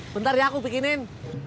bentar ya aku bikinin